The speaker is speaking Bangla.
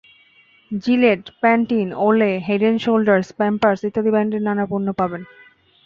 JELET, Pantene, Olay, Head and Shoulders, Pampers ইত্যাদি ব্র্যান্ডের নানা পণ্য পাবেন।